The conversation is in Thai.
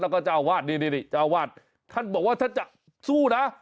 แล้วก็เจ้าอาวาสนี่เจ้าวาดท่านบอกว่าท่านจะสู้นะ